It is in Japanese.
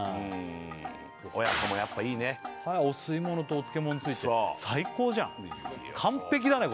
親子もやっぱいいねお吸い物とお漬物ついてる最高じゃん完璧だね